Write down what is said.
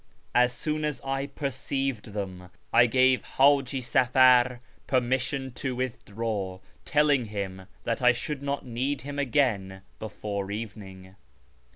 As soon as I perceived them I gave H;iji Safar permission to withdraw, telling him that I should not need him again before evening.